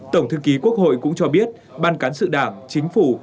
tổng thư ký quốc hội cũng cho biết ban cán sự đảng chính phủ